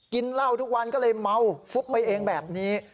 กินเหล้าทุกวันก็เลยเมาฟุบไปเองแบบนี้